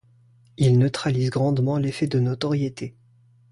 Il neutralise grandement l'effet de notoriété.